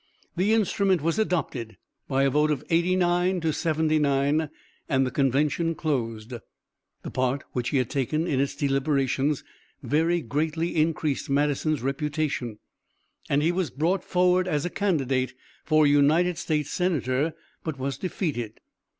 The instrument was adopted by a vote of eighty nine to seventy nine and the convention closed. The part which he had taken in its deliberations very greatly increased Madison's reputation; and he was brought forward as a candidate for United States Senator but was defeated.